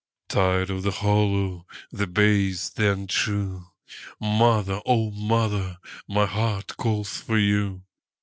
Tired of the hollow, the base, the untrue, Mother, O mother, my heart calls for you!